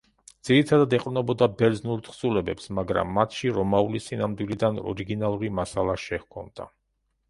ძირითადად ეყრდნობოდა ბერძნულ თხზულებებს, მაგრამ მათში რომაული სინამდვილიდან ორიგინალური მასალა შეჰქონდა.